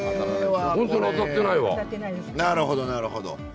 なるほどなるほど。